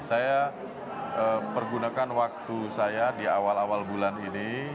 saya pergunakan waktu saya di awal awal bulan ini